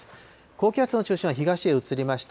高気圧の中心は東へ移りました。